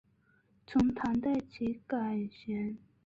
从唐代起改玄畅楼为八咏楼。